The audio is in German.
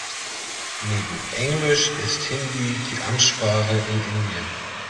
Neben englisch ist Hindi die Amtssprache in Indien.